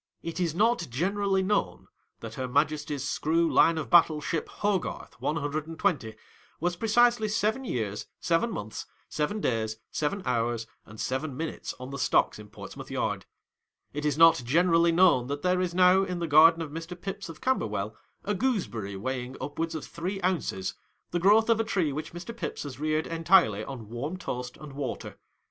It is not generally known that her Majesty's screw line of battle ship HOGARTH, one hun dred and twenty, was precisely seven years, seven months, seven days, seven hours, and seven minutes, on the stocks in Ports mouth Yard. It is not generally known that there is now in the garden of Mr. Pips, of Camberwell, a gooseberry weighing up wards of three ounces, the growth of a tree which Mr. Pips has reared entirely on warm toast and water.